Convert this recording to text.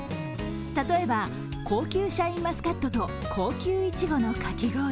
例えば高級シャインマスカットと高級いちごのかき氷。